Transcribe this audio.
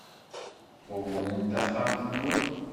Qewmem taxxamt-nwen.